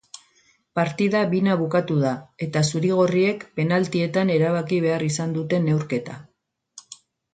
Partida bina bukatu da eta zuri-gorriek penaltietan erabaki behar izan dute neurketa.